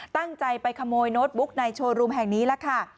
ตั้งใจไปขโมยโน้ตบุ๊กในโชว์รูมแห่งนี้ล่ะค่ะ